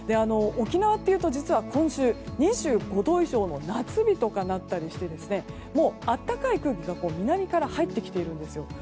沖縄というと実は今週２５度以上の夏日とかになったりして暖かい空気が南から入ってきているんですよ。